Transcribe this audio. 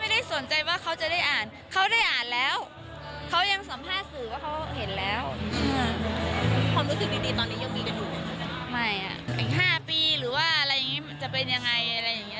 ๕ปีหรือว่าอะไรอย่างนี้จะเป็นอย่างไร